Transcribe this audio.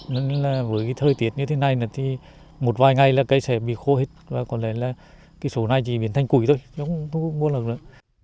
nên là với cái thời tiết như thế này thì một vài ngày là cây sẽ bị khô hết và có lẽ là cái số này chỉ biến thành cùi thôi nó không thu mua lần nữa